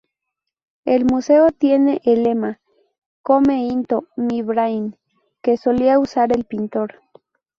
El museo tiene el lema "Come into my brain" que solía usar el pintor.